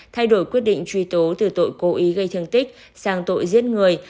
thay đổi quyết định truy tố từ tội cố ý gây thương tích sang tội giết người